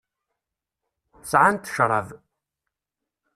Sɛant ccṛab.